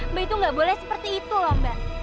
mbak itu gak boleh seperti itu lah mbak